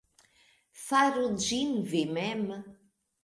Faru ĝin vi mem'.